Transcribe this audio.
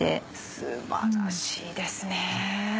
素晴らしいですね。